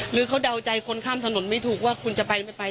หรือเขาเดาใจคนข้ามถนนไม่ถูกว่าคุณจะไปไม่ไป